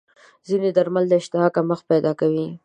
ځینې درمل د اشتها کمښت پیدا کوي.